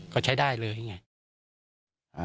ก็ใช้ได้เลยไง